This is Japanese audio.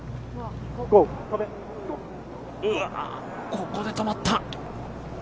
ここで止まった。